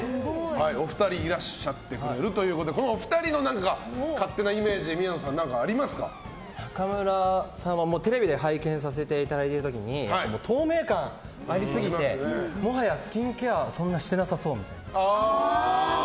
お二人がいらっしゃってくれるということでこのお二人の何か勝手なイメージ宮野さん中村さんはテレビで拝見させていただいている時に透明感がありすぎてもはやスキンケアそんなしてなさそう。